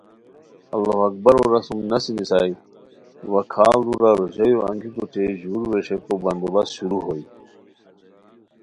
اللہُ اکبرو رسم نسی نیسائے وا کھاڑ دُورہ روژایو انگیکو اوچے ژور ویݰئیکو بندوبست شروع ہوئے